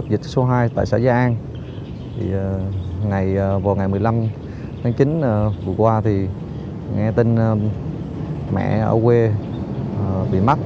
vào ngày một mươi năm tháng chín vừa qua thì nghe tin mẹ ở quê bị mắc